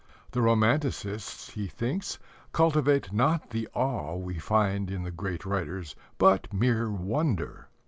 The romanticists, he thinks, cultivate not the awe we find in the great writers, but mere wonder.